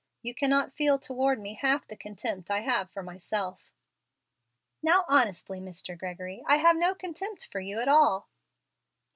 You can not feel toward me half the contempt I have for myself." "Now, honestly, Mr. Gregory, I have no contempt for you at all."